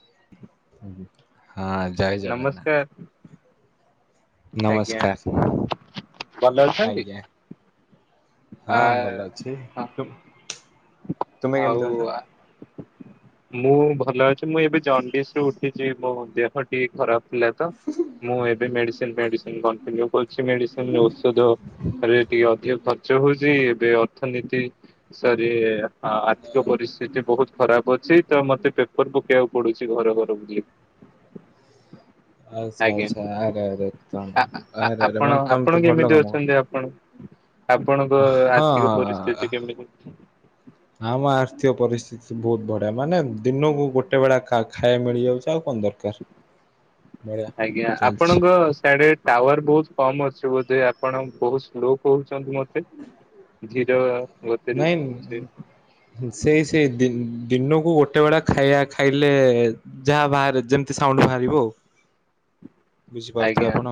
ହ ନମସ୍କାର। ଆଜ୍ଞା ନମସ୍କାର ଭଲ ଅଛନ୍ତି? ଆଜ୍ଞା। ଆ ହଁ ଭଲ ଅଛି। ତୁମେ କେମିତି ହଉ ଅଛ? ଆ ମୁଁ ଭଲ ଅଛି ମୁଁ ଏବେ ଜଣ୍ଡିଶ ରୁ ଉଠିଛି ମୋ ଦେହ ଟି ଖରାପ ଥିଲା ତ ମୁଁ ଏବେ ମେସିନ ଫେଡିସିନ କଣ୍ଟିନ୍ୟୁ କରୁଛି ମେଡିସିନ ଔଷଧ। ହେଲେ ଟିକେ ଅଧିକ ଖର୍ଚ୍ଚ ହଉଛି ଏବେ ଅର୍ଥନୀତି ସରି ଆର୍ଥିକ ପରିସ୍ଥିତି ବହୁତ ଖରାପ ଅଛି ତ ମତେ ପେପର ପକେଇବାକୁ ପଡୁଛି ଘର ଘର ବୁଲି। ଆଚ୍ଛା ଆଜ୍ଞା ଆଚ୍ଛା ଆରେ ଆରେ ତମେ ଆ ଆ ଆରେ ଆରେ ଆପଣ ମାନେ ତମେ ତ ଆପଣ ଭଲ କେମିତି କାମ କର ଅଛନ୍ତି? ଆପଣଙ୍କ ଆର୍ଥିକ ପରିସ୍ଥିତି କେମିତି ଅଛି? ହ ଆମ ଆର୍ଥିକ ପରିସ୍ଥିତି ବହୁତ ବଢିଆ ମାନେ ଦିନକୁ ଗୋଟେ ବେଳା ଖାଇବା ମିଳିଯାଉଛି ଆଉ କଣ ଦରକାର? ହ ଆଜ୍ଞା ଆପଣଙ୍କ ସାଢେ ଟାୱାର ବହୁତ କମ୍ ଅଛି ବୋଧେ ଆପଣ ବହୁତ ସ୍ଲୋ କହୁଛନ୍ତି ମତେ? ଜିରୋ ନାଇଁ ସେଇ ସେଇ ଦି-ଦିନକୁ ଗୋଟେ ବେଳେ ଖାଇବା ଖାଇ ହେଲେ ଯାହା ବାହାରେ ଯେମତି ସାଉଣ୍ଡ ବାହାରିବ ଆଉ ବୁଝିପାରୁଥିବେ ଆଜ୍ଞା ଆପଣ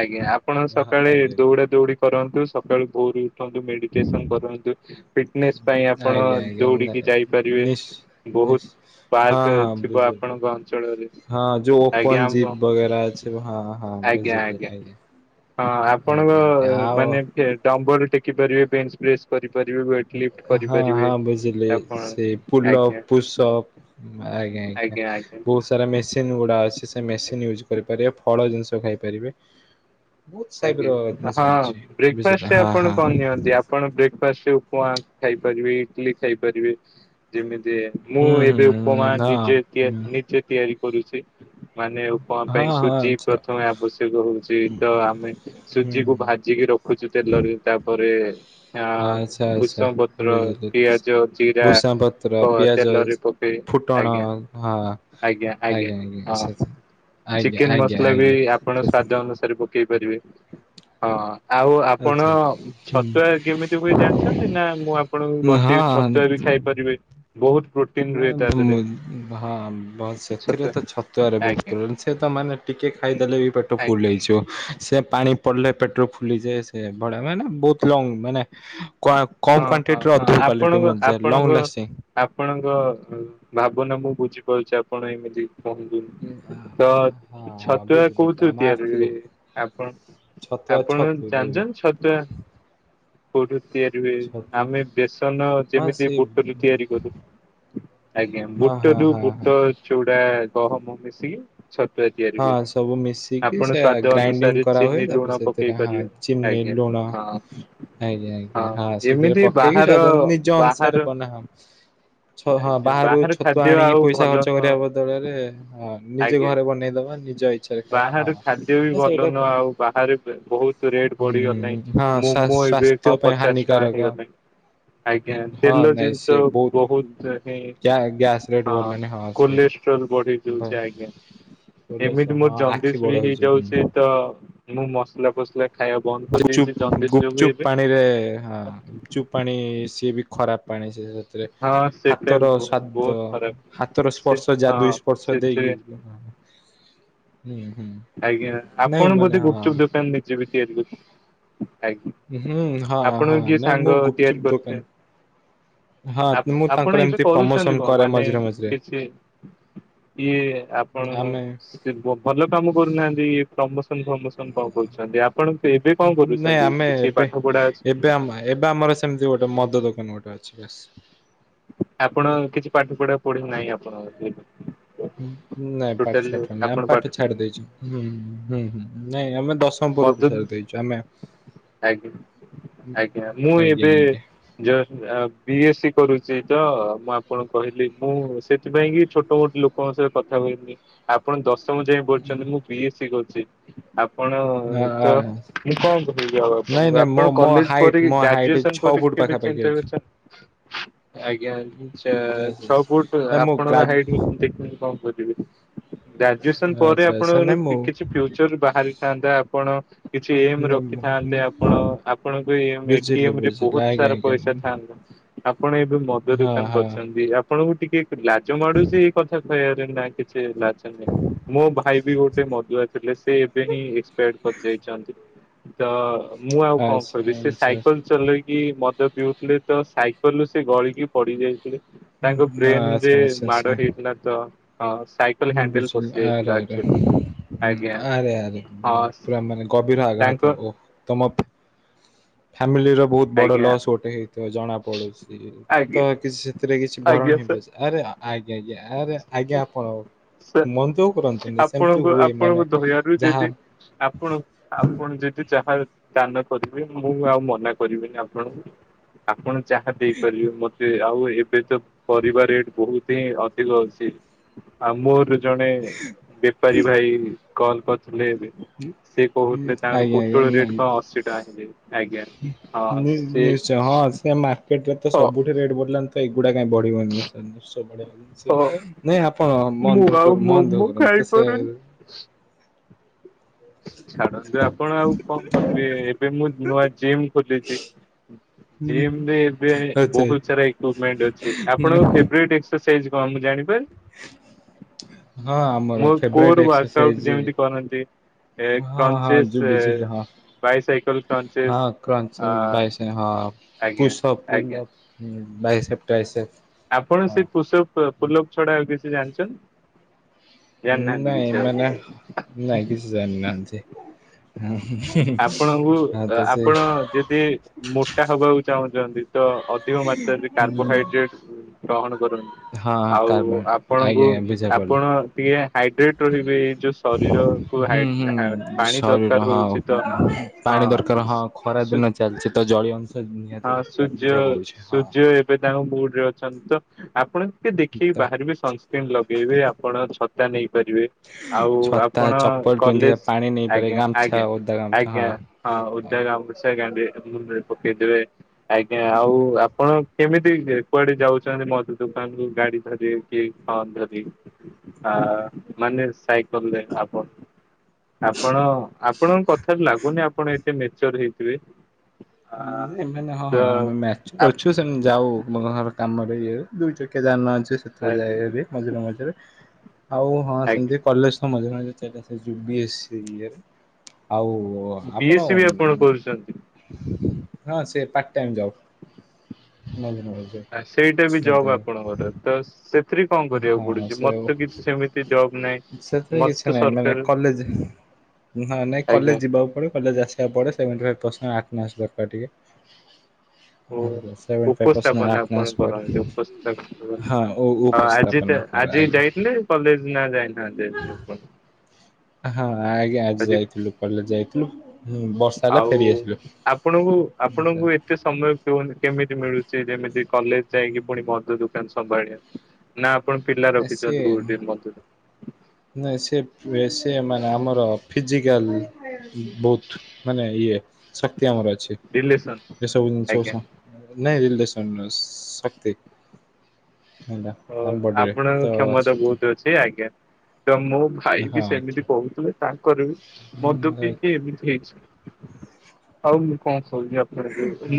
ଆଜ୍ଞା ଆପଣ ସକାଳେ ଆଜ୍ଞା ଆଜ୍ଞା ଦୌଡା ଦୌଡି। କରନ୍ତୁ ସକାଳୁ ଭୋରୁ ଉଠନ୍ତୁ ମେ ଡିକେସନ କରନ୍ତୁ ଫିଟନେସ ପାଇଁ ଆପଣ ଆଜ୍ଞା ଆଜ୍ଞା ନା ଦୋଉଡ଼ିକି ଯାଇପାରିବେ। ନିଶ୍ ବହୁତ ହଁ ପାର୍କ ହଁ ଥିବ ବୁଝିଗଲି ଆପଣଙ୍କ ଅଞ୍ଚଳରେ ହଁ ଯୋଉ ଆଜ୍ଞା ଓପନ ଆମ ଜିପ ବଗେରା ଅଛି। ସେ ହଁ ହଁ। ଆଜ୍ଞା ଆଜ୍ଞା ହଁ ଆପଣଙ୍କ ଆଜ୍ଞା ଆଜ୍ଞା ହଁ ଆଉ ମାନେ - ଟାମ୍ ବର ଟେକି ଧରିବେ ପେନ୍େସ୍ [unintelligible] କରିପାରିବେ ୱଟ ଲିଫ୍ଟ ହଁ କରିପାରିବେ ହଁ ବୁଝିଲି ଆପଣ ସେ ପୁଲଅପ୍ ଆଜ୍ଞା। ପୁଷଅପ୍ ଆଜ୍ଞା ଆଜ୍ଞା ବହୁତ୍ ସାରା ମେସି ସିନ୍ ଗୁଡ଼ା ଅଛି ସେମେସିନ୍ ୟୁଜ କରିପାରିବେ ଫଳ ଜିନ୍ସ ଖାଇପାରିବେ। ବହୁତ ସାଇପ ର ଆଜ୍ଞା ଜିନିଷ ହଁ ଅଛି ବୁଝିଲେ ବ୍ରେକଫାଷ୍ଟରେ ହଁ ଆପଣ ହଁ କଣ ନିଅନ୍ତି ଆପଣ ବ୍ରେ କସ୍ ଉପମା ଖାଇପାରିବେ ଇଟଲିି ଖାଇପାରିବେ ଯେମିତି ମୁଁ ହୁଁ ହୁଁ ଏବେ ଉପମା ହୁଁ ନିଜେ ତି ହଁ। ନିଜେ ତିଆରି କରୁଛି। ମାନେ ଉପମା ହଁ ପାଇଁ ହଁ ସୁଜି ଆଚ୍ଛା ପ୍ରଥମେ ଆବଶ୍ୟକ ହଉଚି ତ ଆ ଆମପାଇଁ ହୁଁ ସୁଜିକୁ ଭାଜିକି ରଖ ରଖୁଚୁ ତେଲରେ ତାପରେ ଅ ଆଚ୍ଛା ଆଚ୍ଛା ଭୁଷଗ ପତ୍ର, ବୁଝିଲି। ପିଆଜ, ଜିରା ଭୂଷା ପତ୍ର ପିଆଜ ତତେଲରି ପକେଇ ଫୁଟଣ ଆଜ୍ଞା ହଁ ଆଜ୍ଞା ଆଜ୍ଞା ହଁ। ଆଜ୍ଞା ଚିକେନ୍ ଆଜ୍ଞା ମସଲାବି ଆଜ୍ଞା ଆପଣ ସେ ସ୍ଵାଦ ଅନୁସାରେ ପକେଇ ପାରିବେ। ହଁ ଆଉ ଆପଣ ଆଚ୍ଛା ଛତୁଆ ହୁଁ କେମିତି ହୁଏ ଜାଣିଛନ୍ତି ନାମୁଁ ଆପଣଙ୍କୁ ବତେଇବି ହଁ ଛତୁଆବି ଖାଇପାରିବେ। ବହୁତ୍ ପ୍ରୋ ନାଁ ନାଁ ହଁ ଛତୁଆ ସେଥିରେତ ଛତୁଆରେ ଆଜ୍ଞା ବହୁତ୍ ସେତ ମାନେ ଟିକେ ଖାଇଦେଲେବି ପେଟ ଆଜ୍ଞା ଫୁଲ୍ ହେଇଯିବ। ସେପାଣି ପଡ଼ିଲେ ପେଟରେ ଫୁଲିଯାଏ ସେବଢ଼ିଆ ମାନେ ବହୁତ୍ ଲଙ୍ଗ ମାନେ କ କମ୍ ହଁ ହଁ କ୍ୱାଣ୍ଟିରୁ ହଁ ଅଧିକ ଆପଣଙ୍କ କ୍ୱାଲିଟି ମିଳିଯାଏ ଆପଣଙ୍କ ଲଙ୍ଗ୍ ଲାଷ୍ଟିଂ। ଆପଣଙ୍କ ଭାବନା ମୁଁ ବୁଝିପାରୁଚି ଆପଣ ଏମିତି ହଁ ହଁ ତଛତୁଆ ବୁଝିପାରୁଥା କୋଉଥୁରୁ ଆମ ତିଆରି ଆର୍ଥିକ ହୁଏ ଆପଣ ଛତୁଆ ଆପଣ ଛତୁ ଜାଣିଚନ୍ତି ଛତୁଆ କୋଉଠୁ ତିଆ ଛତୁ ଆମେ ବେସନ ହଁ ଯେମିତି ସେ ବୁଟରୁ ତିଆରି କରୁ ଆଜ୍ଞା ହଁ ହଁ ବୁଟରୁ ହଁ ହଁ ବୁଟ, ଚୁଡ଼ା ଗହମ ମିଶିକି ଛତୁଆ ତିଆରି ହଁ ହୁଏ ସବୁ ମିଶିକି ସେ ଆପଣ ସ୍ଵାଦ ଗ୍ରାଇଣ୍ଡିଙ୍ଗ ଅନୁସାରେ କରାହୁଏ ଚିନି ତାପରେ ଲୁଣ ସେଥିରେ ପକେଇ ହଁ ପାରିବେ। ଚିନି ଆଜ୍ଞ ଲୁଣ ହଁ। ଆଜ୍ଞା ଆଜ୍ଞା ହଁ ସେଥିରେ ଏମିତି ପକେଇକି ବାହାର ସ୍ଵାଦ ନିଜ ବାହାର ଅନୁସାରେ ବନାହବ। ଛ ହଁ ଆଜ୍ଞା ବାହାରୁ ବାହାର ଛତୁଆ ଖାଦ୍ୟ ଆଣିକି ଆଉ ପଇସା ଭଲ ଖର୍ଚ୍ଚ ନୁହଁ କରିବା ବଦଳରେ ହଁ ନିଜେ ଘରେ ବନେଇ ବାହାରେ ଖାଦ୍ୟବି ଭଲ ନୁହ ଆଉ ବାହାରେ କାହା ବହୁତ ରେଟ୍ ହୁଁ ହୁଁ ହୁଁ ବଢିଗଲାଣି ହଁ ସ୍ୱା ମୋମୋ ଏବେ ସ୍ୱାସ୍ଥ୍ୟ କଣ ପାଇଁ ପଚାଶ ଟଙ୍କା ହାନିକାରକ ହେଇଗଲାଣି। ଆଜ୍ଞା ହଁ ତେଲ ନାଇଁ ଜିନିଷ ସିଏ ବହୁତ ବହୁତ୍ ଚହି ଗ୍ୟା ଗ୍ୟାସ ରେଟ୍ ହଁ ବଢିଲାଣି ସେ କୋଲେଷ୍ଟ୍ରୋଲ ବଢି ଦଉଚି ଆଜ୍ଞା। ଏମିତି ହଁ ମୋର ଆଖି ଜନ୍ଦିସ୍ ବଡ ବି ହେଇଯିବ ହୁଁ। ହେଇଯାଉଚି ତମୁ ମସଲା ଫସଲା ଖାଇବା ବନ୍ଦ କରିଦେଇଛି ଚୁପ୍ ଜଣ୍ଡିସ ଯୋଗୁ ଗୁପଚୁପ୍ ଏବେ। ପାଣିରେ ହଁ। ଗୁପଚୁପ୍ ପାଣି ସିଏବି ଖରାପ୍ ପାଣିସେ ସେ ତିରେ ହଁ ସେଟା ବି ହାତର ବହୁତ ସ୍ଵାଦ ବହୁତ ଖରାପ। ହାତର ସେ ସ୍ପର୍ଶ ହଁ ଯାଦୁଇ ସ୍ପର୍ଶ ସେଥିରେ ଦେଇକି ହଁ ହୁଁ ହୁଁ। ଆଜ୍ଞା ନାଇଁ ଆପଣ ମାନେ ବୋଧେ ହଁ ଗୁପଚୁପ୍ ଦୋକାନ ନେଯେବି ତିଆରି କରି ଆଜ୍ଞା ହୁଁ ହଁ ହଁ ଆପଣଙ୍କ କିଏ ନାଇଁ ମୁଁ ସାଙ୍ଗ ଗୁପଚୁପ୍ ତିଆରି ଦୋକାନ କରୁଥିବେ? ହଁ ଆପ ମୁଁ ତାଙ୍କର ଆପଣ ଏମିତି ଏବେ ପ୍ରମୋସନ କରୁଚନ୍ତି କଣ କରେ ମାନେ ମଝିରେ ମଝିରେ କିଛି ଇଏ ଆପଣ ଆମେ ସେ ଭଲ କାମ କରୁନାହାନ୍ତି ଇଏ ପ୍ରମୋସନ ଫ୍ରମୋସନ କଣ କରୁଚନ୍ତି ଆପଣ ଏବେ କଣ କରୁଛନ୍ତି କିଛି ପାଠ ପଢ଼ା ଅଛିକି? ନା ଏବେ ଆମର ସେ ସେମିତି ଗୋଟେ ମଦ ଦୋକାନ ଗୋଟେ ଅଛି ବାସ୍। ଆପଣ କିଛି ପାଠ ପଢ଼ାପଢ଼ି ନାହିଁ ଆପଣଙ୍କର ବି? ନାଇଁ ପାଠ ସାଠ ନାଇଁ ଆମେ ପାଠ ଛାଡ଼ିଦେଇଚୁ ହୁଁ ହୁଁ ନାଇଁ ଆମେ ଦଶ [unintelligible] ଆଜ୍ଞା ଆଜ୍ଞା ମୁଁ ଆଜ୍ଞା ଏବେ ଆଜ୍ଞା ଜୟ ଅଁ ବି ଏସ୍ ସି କରୁଚିତ ମୁଁ ଆପଣଙ୍କୁ କହିଲି ମୁଁ ସେଥିପାଇଁକି ଛୋଟ ମୋଟ ଲୋ ଆପଣଙ୍କ ସହ କଥାକହିବିନି ଆପଣ ଦଶମ ଯାଏ ପଢିଛନ୍ତି ମୁଁ ବିଏ ସି କରଚି ଆପଣ ହଁ ଆ ତ ମୁଁ କଣ କହିବି ଆଉ ନାଇଁ ଆପଣଙ୍କୁ ନାଇଁ ମୋ ଆପଣ ମୋ କଲେଜ୍ ପରି ହାଇଟ୍ ମୋ ହାଇଟ୍ ଗ୍ରାଜୁଏସନ୍ ଛଅ ପରି ଫୁଟ କେବେ ପାଖାପାଖି ଚିନ୍ତା ଅଛି। କରିଚନ୍ତି ଆଜ୍ଞା ଛ ଛଅ ଫୁଟ ନାଇଁ ମୁଁ ଗ୍ରା ଆପଣଙ୍ଗ ହାଇଟି କେତେ ମୁଦେ କଣ କରିବି ଗ୍ରାଜୁଏସନ ପରେ ଆଚ୍ଛା ଆଚ୍ଛା ନାଇଁ ମୁଁ ଆପଣଙ୍କର କିଛି ଫ୍ୟୁଚର ବାହାରିଥାନ୍ତା ଆପଣ କିଛି ଏମ୍ ରଖିଥାନ୍ତେ ଆପଣ ଆପଣଙ୍କ ବୁଝିଲି ଏଟିଏମ ରେ ବୁଝିଲି ବହୁତ ଆଜ୍ଞା ସାରା ଆଜ୍ଞା ପଇସା ଥାଆନ୍ତା। ଆପଣ ଏବେ ମଦ ହଁ ହଁ ଦୋକାନକରିଛନ୍ତି ଆପଣଙ୍କୁ ଟିକେ ଲାଜ ମାଡୁଚି ଏ କଥା କହିବାରେ ନାଇଁ କିଛି ଲାଜ ନାଇଁ ମୋ ଭାଇ ବି ଗୋଟେ ମଦୁଆ ଥିଲେ ସେ ଏବେ ହିଁ ଏକ୍ସପେଡ କରିଯାଇଛନ୍ତି ତ ମୁଁ ଆଉ କଣ ଆଚ୍ଛା କହିବି ସେ ଆଚ୍ଛା। ସାଇକେଲ ଚଲେଇ କି ମଦ ପିଉଥିଲେ ତ ସାଇକେଲ ରୁ ସେ ଗଳିକି ପଡି ଯାଇଥିଲେ। ତାଙ୍କ ଆଚ୍ଛା ବ୍ରେନରେ ଆଚ୍ଛା ମାଡ ହେଇଥିଲା ତ ହଁ ସାଇ ହୁଁ ବୁଝିଲି ଆରେ ଆରେ ହୁଁ ଆଜ୍ଞା ଆରେ ଆରେ। ହଁ ପୁରା ମାନେ ଗଭୀର ଆଘାତ ତାଙ୍କ ଓ ତମ ଫ୍ୟାମିଲିର ବହୁତ ବଡ଼ ଆଜ୍ଞା ଲସ୍ ଗୋଟେ ହେଇଥିବ ଜଣା ପଡ଼ୁଚି ତ ଆଜ୍ଞା ସେଥିରେ କିଛି ଆଜ୍ଞା ଭରଣ ହେଇପାରିଚି ଆରେ ଆଜ୍ଞା ଆଜ୍ଞା ଆରେ ସାର୍ ଆଜ୍ଞା ଆପଣ ମନ ଦୁଃଖ ସାର୍ କରନ୍ତୁନି ସେମିତି ଆପଣଙ୍କୁ ହୁଏ ମାନେ ଆପଣଙ୍କ ଦୟାରୁ ଯାହା ଯଦି ଆପଣ ଆପଣ ଯଦି ଯାହା ଦାନ କରିବେ ମୁଁ ଆଉ ମନା କରିବିନି ଆପଣଙ୍କୁ? ଆପଣ ଯାହା ଦେଇପାରିବେ ମତେ ଆଉ ଏବେ ତ ପରିବା ରେଟ ବହୁତ ହିଁ ଅ ଅଧିକ ଅଛି ଆଉ ମୋର ଜଣେ ବେପାରୀ ଭାଇ କଲ କରିଥିଲେ ଏବେ। ସେ କହୁଥିଲେ ତାଙ୍କର ଆଜ୍ଞା ଆଜ୍ଞା ପୋଟଳ ରେଟ ନାଇଁ। କଣ ଅଶୀ ଟଙ୍କା ହେଇଯାଇଚି ଆଜ୍ଞା। ହଁ ହୁଁ ସେ ନିଶ୍ଚୟ ହଁ ସେ ମାର୍କେଟରେ ତ ହଁ ସବୁଠୀ ରେଟ ବଢିଲାନି ତ ଏଗୁଡା କାଇଁ ବଢି [inaudible] ହଁ ନାଇଁ ଆପଣ ମୁଁ ମନ ଦୁକ୍ ଆଉ କର ମନ ମୋମୋ ଦୁକ୍ କରନ୍ତୁ ସେ ଖାଇପାରୁନି। ଛାଡ଼ନ୍ତୁ ଆପଣ ଆଉ କଣ କରିବେ ଏବେ ମୁଁ ନୂଆ ଜିମ୍ ଖୋଲିଚି। ଜିମରେ ଏବେ ଆଚ୍ଛା ବହୁତ ସାରା ଇକୁଭୁମେଣ୍ଟ ଅଛି ଆପଣଙ୍କ ଫେବେରେଟ ଏକ୍ସ୍ ସାଇଜ୍ କଣ ମୁଁ ଜାଣିପାରେ? ହଁ ଆମର ମୋ favourite code work exercise out ଯେମିତି କରନ୍ତି। ଏ ହଁ ହଁ କ୍ରଂଚେସ୍ ଯୋଉ ବୁଝିଲି ହଁ ବାଇ ସାଇକେଲ କ୍ରଞ୍ଚେଶ ଆଜ୍ଞା ଆଜ୍ଞା। ହୁଁ ବାଇସେଫ୍ ଟାଇସେ୍ଫ। ଆପଣ ସେ ପୁସ୍ ଅପ୍ ଫୁଲ ଅପ୍ ଛଡା ଆଉ କିଛି ଜାଣିଛନ୍ତି? ଜାଣିନାହାନ୍ତି ନାଇଁ କିଛି ଆଉ। ମାନେ ନାଇଁ କିଛି ଜାଣିନାହାନ୍ତି। ଆପଣଙ୍କୁ ଆପଣ ଯଦି ମୋଟା ହବାକୁ ଚାହୁଁଛନ୍ତି ତ? ଅଧିକ ମାତ୍ରାରେ କାର୍ବୋହାଇଡ୍ରେଟ୍ ଗ୍ରହଣ କରନ୍ତୁ ଆଉ ଆପଣଙ୍କୁ ଆଜ୍ଞା ଆଜ୍ଞା ବୁଝା ପଡ଼ିଲା ଆପଣ ଟିକେ ହାଇଡ୍ରେଟ ରହିବେ ଏଇ ଯୋଉ ଶରୀରକୁୁ ହୁଁ ହାଇ ହା ହୁଁ ପାଣି ଶରୀର ଦରକାର ହଁ ହଉଛି। ତ ପାଣି ଦରକାର ହଁ ଖରା ଦିନ ଚାଲିଛି ତ ଜଳୀୟ ଅଂଶ ହଁ ନିହାତି ଦର ସୂର୍ଯ୍ୟ ସୂର୍ଯ୍ୟ ଏବେ ତାଙ୍କ ମୁଡରେ ଅଛନ୍ତି ତ ଆପଣ ଟିକେ ଦେଖି କି ତ ବାହାରିବେ ସନ୍ ନ ଲଗେଇବେ ଆପଣ ଛତା ନେଇପାରିବେ। ଆଉ ଛତା ଆପଣ ଚପଲ ପିନ୍ଧିବା କଲେଜ ପାଣି ନେଇପାରିବା ଆଜ୍ଞା ଗାମଛା ଆଜ୍ଞା। ଓଦା ଗାମଛା ଆଜ୍ଞା ହଁ ଉଦା ଗାମୁଛା ଗାଣ୍ଡୀରେ ମୁଣ୍ଡରେ ପକେଇଦେବେ। ଆଜ୍ଞା ଆଉ ଆପଣ କେମିତି କୁଆଡେ ଯାଉଚନ୍ତି ମଦ ଦୋକାନକୁୁ ଗାଡି ଧରି? କି ହର ଧରି ଆ ମାନେ ସାଇକଲରେ ଆପଣ ଆପଣ ଆପଣଙ୍କ କଥାରୁ ଲାଗୁନି ଆପଣ ଏତେ ମେଚର ହେଇଥିବେ। ଆ ଏମାନେ ହଁ ତ ଆମେ ମାଚୁଅର ଅଛୁ ସେମ ଯାଉ ମୋ ଘର କାମରେ ଇଏ ଦୁଇ ଚକିଆ ଯାନ ଅଛି ସେଥିରେ ଆପ ଯାଏ ହାରି। ମଝିରେ ମଝିରେ ଆଉ ହଁ ସେମିତି। ଆଜ୍ଞା କଲେଜ ସମୟରେ ମଝିରେ ମଝିରେ ସେଟା [inaudible] ବି ଏସ୍ ସି ଇଏରେ ଆଉ ଓ ଆପଣ ଛନ୍ତି। ହଁ ସେ ପାର୍ଟ ଟାଇମ ଜବ। ଆ ସେଇଟା ବି ଜବ୍ ଆପଣଙ୍କର ତ ସେ ଥ୍ରୀ କଣ କରିବାକୁ ହଁ ପଡୁଛି? ସେ ମତେ କିଛି ସେମିତି ଜବ ନାହିଁ ସେଥିରେ କିଛି ମତେ ନାହିଁ ମାନେ ସରକାର କଲେଜ ହଁ, ନା ନାଇଁ ଆଜ୍ଞା କଲେଜ ଯିବାକୁ ପଡେ, କଲେଜ ଆସ୍ ପଡ଼େ ସେଭେଣ୍ଟି ଫାଇଭ୍ ପରସେଣ୍ଟ ଆଠନାସ୍ ଦରକାର ଟିକେ। ଓ [unintelligible] ସେଭେଣ୍ଟି ଫାଇଭ୍ ପରସେଣ୍ଟ ଉପସ୍ଥାପନା ଆପଣ ଆଠନାସ୍ କରନ୍ତି ପଡ଼େ। ଉପସ୍ଥାପ ହଁ, ଉ ଉ ପସ୍ ଆଜି ତା ଆଜି ଯାଇଥିଲେ, କଲେଜ ନା ଯାଇନାହାନ୍ତି ଆପଣ? ହଁ, ଆଜ୍ଞା ଆଜି ଯାଇଥିଲୁ। କଲେଜ ଯାଇଥିଲୁ, ବର୍ଷା ହେଲା ଆଉ ଫେରିଆସିଲୁ। ଆପଣଙ୍କୁ, ଆପଣଙ୍କୁ ଏ ଏତେ ସମୟ କେମିତି ମିଳୁଛି? ଯେମିତି କଲେଜ ଯାଇକି ପୁଣି ମଦ ଦୋକାନ ସମ୍ଭାଳିଆ। ନା ଆପଣ ପିଲା ରଖିଛନ୍ତି, କୋଉଠି ମଦ ଦୋକାନ? ନା ସେ ସେ ମାନେ ଆମର ଫିଜିକାଲ୍ ବହୁତ। ମାନେ ଇଏ ଶକ୍ତି ଆମର ଅଛି। ରିଲେସନ ଏସବୁ ଜିନିଷକୁ ଆଜ୍ଞା ସ ନାଇଁ, ରିିଲେସନ ନୁହଁ ଶକ୍ତି। ହେଲା, ଆମ ବଡିରେ ତ ଅଛି। ହେ ଆଜ୍ଞା, ଦ ମୁଁଭ୍ ଭାଇ ବି ହଁ ଆଜ୍ଞା। ସେମିତି କହୁଥିଲେ, ତାଙ୍କର ବି ମଦ ପିଇକି ଏମିତି ହେଇଛି। ଆଉ, ମୁଁ କଣ କହୁଛି ଆପ୍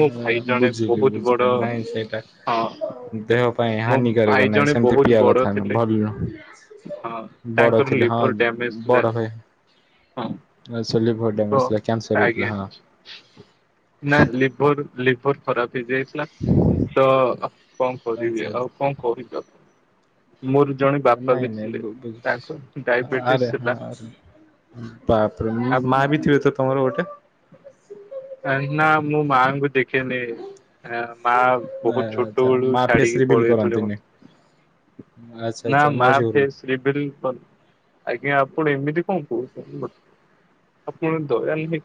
ମୋ ଭାଇ ଜଣେ ବୁଝିଲି ବହୁତ ବଡ, ବୁଝିଲି ନାଇଁ ସେଇଟା ହଁ ଦେହ ପାଇଁ ମୋ ହାନିକାରକ ଭାଇ ନାହିଁ ଜଣେ ସେମିତି ବହୁତ ପିଇବା ବଡ କଥା ନୁହଁ ଥିଲେ। ଭଲ ନୁହଁ। ହଁ, ବଡ ତାଙ୍କର ଥିଲେ ହଁ ଲିଭର ଡ୍ୟାମେଜ୍ ଥିଲା। ବଡ ଭାଇ ହଁ, ଗ ଆଜ୍ଞା। ନା, ଲିଭର ଲିଭର ଖରାପ ହେଇଯାଇଥିଲା। ତ କଣ କରିବି ଆଉ କଣ କହୁଚ? ମୋର ଜଣେ ବାପା ବି ଥିଲେ, ତାଙ୍କ ଡାଇବେଟିସ୍ ଥିଲା।। ବାପରେ! ମା ଆପଣ ବିି ଥିବେ ତ ତମର ଗୋଟେ? ନା, ମୁଁ ମାଙ୍କୁ ଦେଖିନି। ମା, ବହୁତ ଛୋଟ ଆଚ୍ଛା ବେଳୁ ମା ଫେସ୍ ଛାଡିକି ରିଭିଲ୍ ପଳେଇଥିଲେ କରନ୍ତିନି। ମତେ। ଆଚ୍ଛା ନା ଆଚ୍ଛା ମା ମାଉସୀ ଘରୁକୁ। [unintelligible] ଆଜ୍ଞା, ଆପଣ ଏମିତି କଣ କହୁଛନ୍ତି କଥ୍ ଆପଣ ଦୟା ନାହିଁ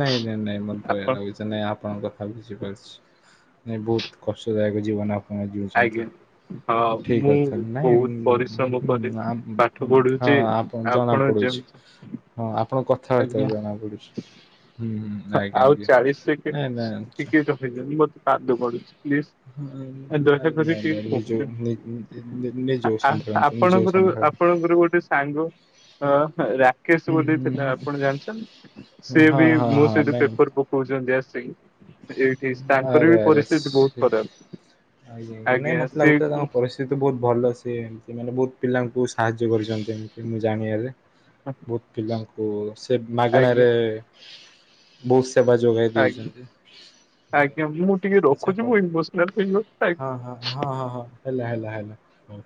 ନାଇଁ ନାଇଁ ନାଇଁ ମତ ଦୟା ଆପଣ ଲାଗୁଚି, ନାଇଁ ଆପଣଙ୍କ ହଁ, ବୁଝିପାରୁଛି। ନାଇ ବହୁତ କଷ୍ଟଦାୟକ ଜୀବନ ଜିଉଛନ୍ତି, ଆଜ୍ଞା ହଁ ଠିକ୍ ମୁଁ କଥା ବହୁତ ପରିଶ୍ରମ ନାଇଁ-ଉଁ-ଉଁ କରେ ଆମ୍ ପାଠ ହଁ, ପଢୁଛି ଆପଣ ଜଣା ପଡୁଛି। ହଁ, ଆପଣଙ୍କ ଆଜ୍ଞା କଥାବାର୍ତ୍ତାରୁ ଜଣା ପଡୁଛି। ହୁଁ, ହୁଁ। ଆଜ୍ଞା ଆଉ ଆଜ୍ଞା ଚାଳିଶ ନାଇଁ ସେକେଣ୍ଡ ନାଇଁ ଟିକେ ରହିଯାଆନ୍ତୁ, ମତେ କାନ୍ଦ ମାଢୁଛି ପ୍ଲିଜ୍! ଦୟା ନାଇଁ କରି ନାଇଁ ଟିକେ ନିଜକୁ କହୁନେ, ନିଜକୁ ସମ୍ଭାଳନ୍ତୁ ନିଜକୁ ଆପଣଙ୍କର ଆପ୍ ସମ୍ଭାଳ ଆପଣଙ୍କର ଗୋଟେ ସାଙ୍ଗ ଅ ହ ରା କେସ୍ ହୁଁ ବୋଲି ହୁଁ ଥିଲା ଆପଣ ଜାଣିଛନ୍ତି! ସେ ହଁ ବି ହଁ ମୋ ସହ ହଁ ନାଇଁ ପକଉଛନ୍ତି ଆସିକି ଏଇଠି, ତାଙ୍କର ଆରେ ବି ଆରେ ପରିସ୍ଥିତି ବହୁତ ଖରାପ। ଆଜ୍ଞା, ଆଜ୍ଞା, ନାଇ ମତେ ସେ ଲାଗୁଥିଲା ତାଙ୍କ ଆଜ୍ଞା ପରିସି ସ୍ଥିତି ବହୁତ ଭଲ ସିଏ। ସିଏ ମାନେ ବହୁତ ପିଲାଙ୍କୁ ସାହାଯ୍ୟ କରିଛନ୍ତି ଏମିତି। ମୁଁ ଜାଣିଆରେ, ବହୁତ ପିଲାଙ୍କୁ ସେ ଆଜ୍ଞା ମାଗଣାରେ ବହୁତ୍ ସେବା ଯୋଗାଇ ଦେଇଛନ୍ତି। ଆଜ୍ଞା, ମୁଁ ଟିକେ ଆଚ୍ଛା ରଖୁଛି। ହଉ ମୁଁ ଇମୋସନାଲ୍ ହେଇଗଲି। ଆଜ୍ଞା। ହଁ, ହଁ, ହଁ ହେଲା ହେଲା ହେଲା। ହଉ